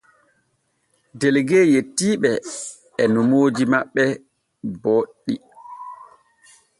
Delegue yetti ɓe e nomooji maɓɓe boɗɗi.